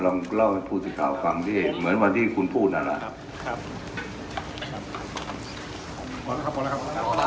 ลองเล่าให้ผู้สิทธิ์ข่าวฟังดิเหมือนวันที่คุณพูดนั่นล่ะ